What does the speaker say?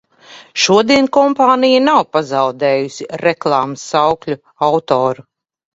Šodien kompānija nav pazaudējusi reklāmas saukļu autoru.